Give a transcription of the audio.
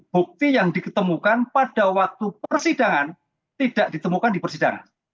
bukti yang diketemukan pada waktu persidangan tidak ditemukan di persidangan